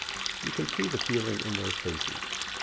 You can see the feeling in their faces.